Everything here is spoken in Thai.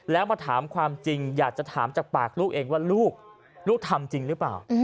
แล้วมาถามความจริงอยากจะถามจากปากลูกเองว่าลูกลูกทำจริงหรือเปล่า